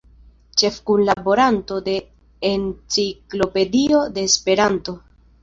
Ĉefkunlaboranto de Enciklopedio de Esperanto.